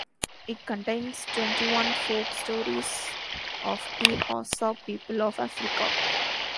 It contains twenty-one folk-stories of the Hausa people of Africa.